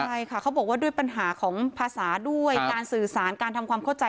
ใช่ค่ะเขาบอกว่าด้วยปัญหาของภาษาด้วยการสื่อสารการทำความเข้าใจ